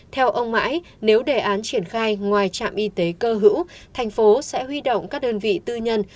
theo ông mãi nếu đề án triển khai ngoài trạm y tế cơ hữu thành phố sẽ huy động các đơn vị tư nhân